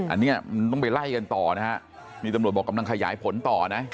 อันนี้มันต้องไปไล่กันต่อนะฮะนี่ตำรวจบอกกำลังขยายผลต่อนะ